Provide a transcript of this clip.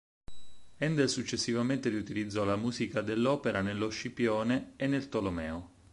Handel successivamente riutilizzò la musica dell'opera nello "Scipione" e nel "Tolomeo".